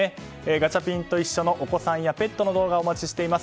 ガチャピンといっしょ！のお子さんやペットの動画をお待ちしております。